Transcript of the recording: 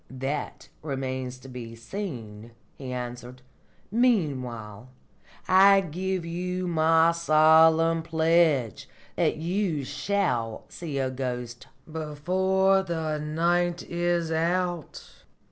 "That remains to be seen," he answered. "Meanwhile, I give you my solemn pledge that you shall see a ghost before the night is out."